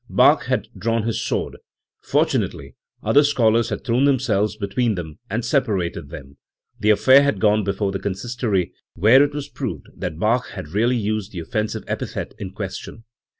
Bach had drawn his sword. Fortunately other scholars had thrown themselves be tween them and separated them*. The affair had gone before the Consistory, where it was proved that Bach had really used the offensive epithet in question.